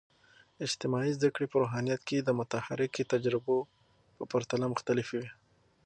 اجتماعي زده کړې په روحانيات کې د متحرک تجربو په پرتله مختلفې دي.